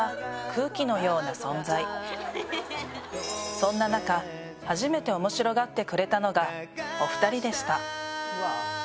そんな中初めて面白がってくれたのがお２人でした。